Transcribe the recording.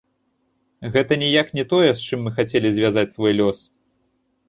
Гэта ніяк не тое, з чым мы хацелі звязаць свой лёс.